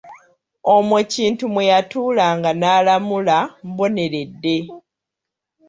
Omwo kintu mwe yatuulanga n’alamula mboneredde.